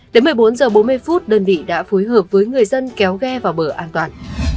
đến một mươi bốn h bốn mươi phút đơn vị đã phối hợp với người dân kéo ghe vào bờ an toàn